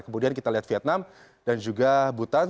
kemudian kita lihat vietnam dan juga butan